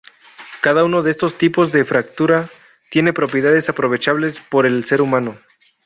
Cada uno de estos tipos de fractura tiene propiedades aprovechables por el ser humano.